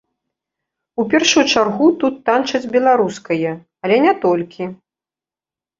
У першую чаргу тут танчаць беларускае, але не толькі.